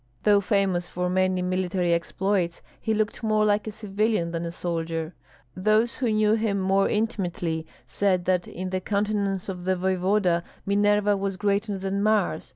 Though famous for many military exploits he looked more like a civilian than a soldier; those who knew him more intimately said that in the countenance of the voevoda Minerva was greater than Mars.